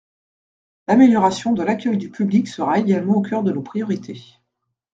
L’amélioration de l’accueil du public sera également au cœur de nos priorités.